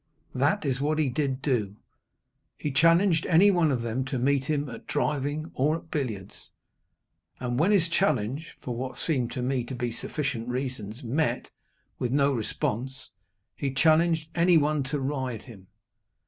That is what he did do. He challenged any one to meet him at driving, or at billiards. And, when his challenge for what seemed to me to be sufficient reasons met with no response, he challenged any one to ride him.